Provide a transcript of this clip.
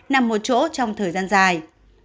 nằm một chỗ trong thời gian dài